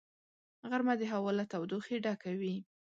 غرمه د هوا له تودوخې ډکه وي